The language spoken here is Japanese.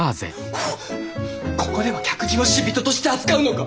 ここでは客人を死人として扱うのか！？